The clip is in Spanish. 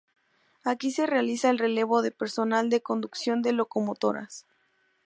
Aquí se realiza el relevo de personal de conducción de locomotoras.